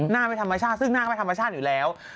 หน้าไม่ธรรมชาติซึ่งหน้าก็ไม่ธรรมชาติอยู่แล้ว